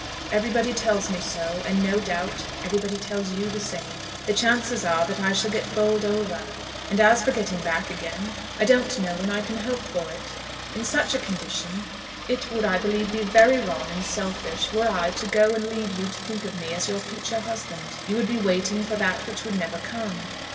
Everybody tells me so, and no doubt everybody tells you the same. The chances are that I shall get bowled over; and as for getting back again, I don't know when I can hope for it. In such a condition it would I believe be very wrong and selfish were I to go and leave you to think of me as your future husband. You would be waiting for that which would never come.